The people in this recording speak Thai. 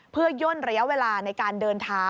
เพื่อย่นระยะเวลาในการเดินเท้า